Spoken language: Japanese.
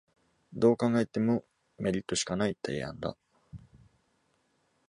どう考えてもメリットしかない提案だ